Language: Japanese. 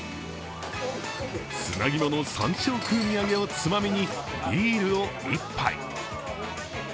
砂肝の山椒風味揚げをつまみにビールを１杯。